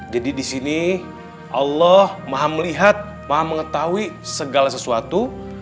jadi disini allah maha melihat maha mengetahui segala sesuatu